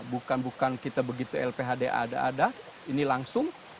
bukan bukan kita begitu lphd ada ada ini langsung